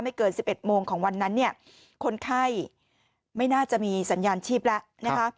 เกิน๑๑โมงของวันนั้นเนี่ยคนไข้ไม่น่าจะมีสัญญาณชีพแล้วนะคะ